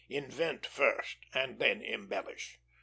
Invent first, and then embellish.